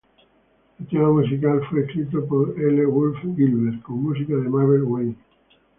El tema musical fue escrito por L. Wolfe Gilbert, con música de Mabel Wayne.